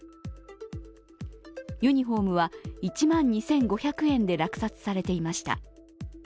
ユニフォームは１万２５００円で落札されていました。